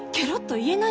言えない。